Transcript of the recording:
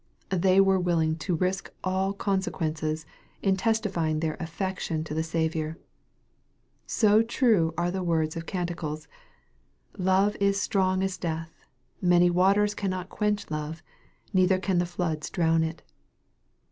They were willing to risk all conse quences in testifying their affection to their Saviour. So true are the words of Canticles :" Love is strong as death many waters cannot quench love, neither can the floods drown it."